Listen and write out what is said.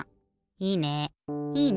いいね。